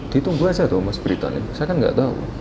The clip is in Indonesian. ditunggu aja dong mas berita ini saya kan gak tau